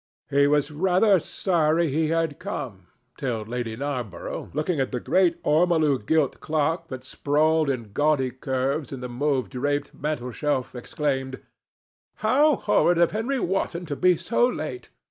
He was rather sorry he had come, till Lady Narborough, looking at the great ormolu gilt clock that sprawled in gaudy curves on the mauve draped mantelshelf, exclaimed: "How horrid of Henry Wotton to be so late!